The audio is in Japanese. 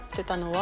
は